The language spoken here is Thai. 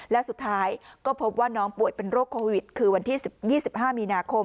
และสุดท้ายก็พบว่าน้องป่วยเป็นโรคโควิดคือวันที่๒๕มีนาคม